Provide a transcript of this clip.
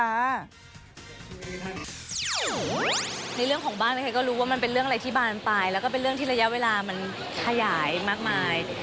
ในเรื่องของบ้านใครก็รู้ว่ามันเป็นเรื่องอะไรที่บานไปแล้วก็เป็นเรื่องที่ระยะเวลามันขยายมากมาย